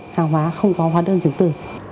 hàng hóa không có hoạt động chứng tư